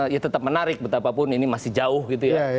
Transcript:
ya tetap menarik betapapun ini masih jauh gitu ya